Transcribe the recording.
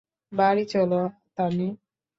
বাড়ি চলো, তানি।